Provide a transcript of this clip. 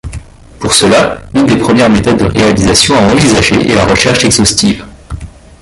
Pour cela, une des premières méthodes de réalisation à envisager est la recherche exhaustive.